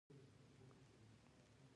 زه له بدو ملګرو څخه ډډه کوم.